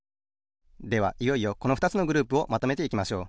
ではいよいよこのふたつのグループをまとめていきましょう。